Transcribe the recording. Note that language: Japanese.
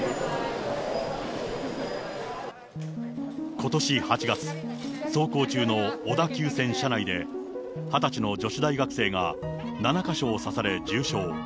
ことし８月、走行中の小田急線車内で、２０歳の女子大学生が７か所を刺され重傷。